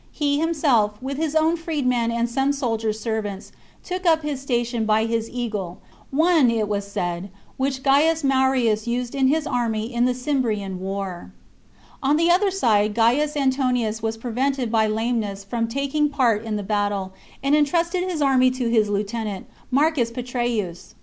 He himself, with his own freed men and some soldiers' servants,, took up his station by his eagle ; one, it was said. THE CONSPIRACY OF CATILINE. 6 1 which Gaius Marius used in his army in the Cim chap. brian war. On the other side Gaius Antonius was prevented by lameness from taking part in the battle, and entrusted his army to his Heutenant, Marcus Petreius.